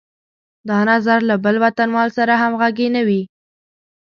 دا نظر له بل وطنوال سره همغږی نه وي.